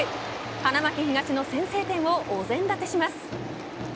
花巻東の先制点をお膳立てします。